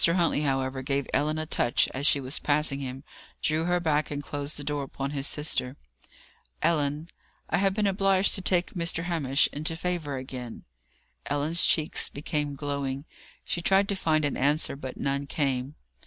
Huntley, however, gave Ellen a touch as she was passing him, drew her back, and closed the door upon his sister. "Ellen, I have been obliged to take Mr. Hamish into favour again." Ellen's cheeks became glowing. She tried to find an answer, but none came.